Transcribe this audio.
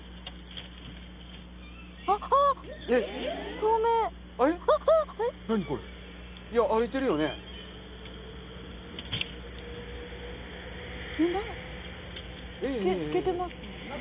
透けてますよね。